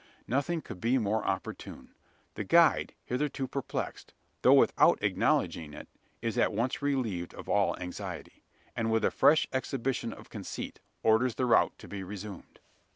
Nothing could be more opportune. The guide, hitherto perplexed though without acknowledging it is at once relieved of all anxiety; and with a fresh exhibition of conceit, orders the route to be resumed.